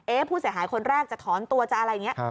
ผู้เสียหายคนแรกจะถอนตัวจะอะไรอย่างนี้